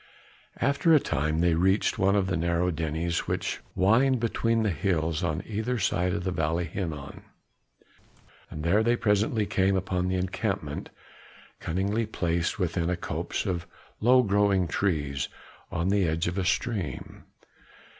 After a time they reached one of the narrow denies which wind between the hills on either side of the Valley of Hinnom, and here they presently came upon the encampment, cunningly placed within a copse of low growing trees on the edge of a stream.